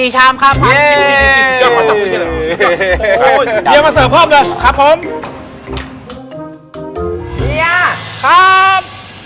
๔ชามครับ